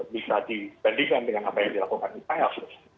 bisa dibandingkan dengan apa yang dilakukan israel